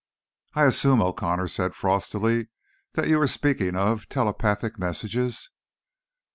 "I assume," O'Connor said frostily, "that you are speaking of telepathic messages?"